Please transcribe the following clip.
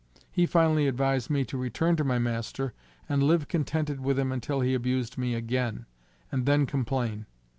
He finally advised me to return to my master, and live contented with him until he abused me again, and then complain.